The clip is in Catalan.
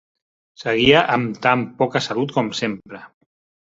Seguia am tan poca salut com sempre